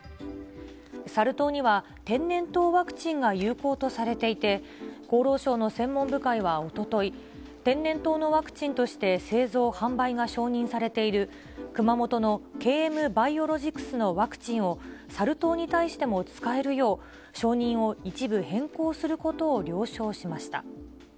サル痘には、天然痘ワクチンが有効とされていて、厚労省の専門部会はおととい、天然痘のワクチンとして製造・販売が承認されている熊本のＫＭバイオロジクスのワクチンを、サル痘に対しても使えるよう、承認を一部変更することを了承しました。